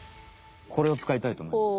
これをつかいたいとおもいます。